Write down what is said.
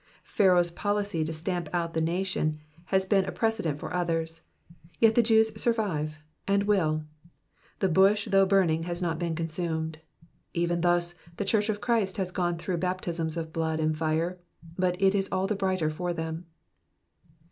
Pharaoh's policy to stamp out the nation has been a precedent for others, yet the Jews survive, and will : the bush thouch burning has not been consumed. Even thus the church of Christ has gone through baptisms of blood and fire, but it is all the brighter for them.